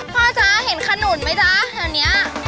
พ่อจ๊ะเห็นขนุ่นมั้ยจ๊ะอันนี้